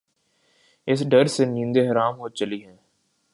اس ڈر سے نیندیں حرام ہو چلی ہیں۔